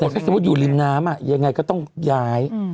แต่ถ้าสมมุติอยู่ริมน้ำยังไงก็ต้องย้าย